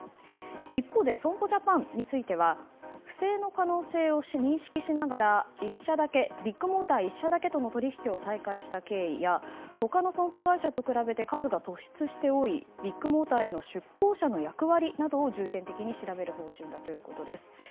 一方で、損保ジャパンについては不正の可能性を認識しながらビッグモーター１社だけとの取引を再開した経緯や他の損保会社と比べて数が突出して多いビッグモーターへの出向者の役割などを重点的に調べる方針だということです。